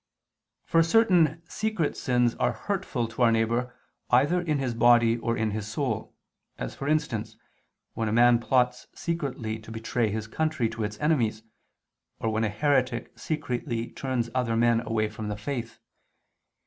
For certain secret sins are hurtful to our neighbor either in his body or in his soul, as, for instance, when a man plots secretly to betray his country to its enemies, or when a heretic secretly turns other men away from the faith.